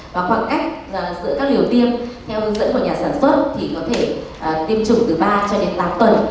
và khoảng cách giữa các liều tiêm theo hướng dẫn của nhà sản xuất thì có thể tiêm chủng từ ba cho đến tám tuần